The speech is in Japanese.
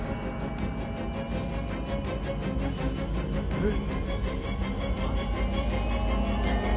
えっ？